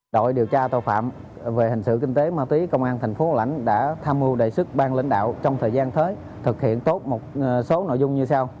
đội điều tra tàu phạm về hành sự kinh tế ma tí công an tp hcm đã tham mưu đề xuất bang lãnh đạo trong thời gian tới thực hiện tốt một số nội dung như sau